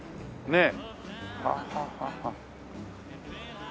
ねえ？